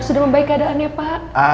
sudah membaik keadaannya pak